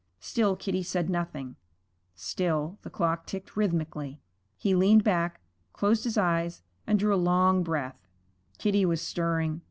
Still Kitty said nothing; still the clock ticked rhythmically. He leaned back, closed his eyes, and drew a long breath. Kitty was stirring.